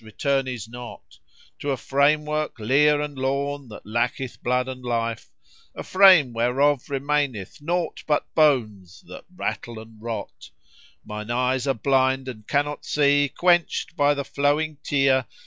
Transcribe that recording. return is not To a framework lere and lorn that lacketh blood and life, * A frame whereof remaineth naught but bones that rattle and rot: Mine eyes are blind and cannot see quencht by the flowing tear!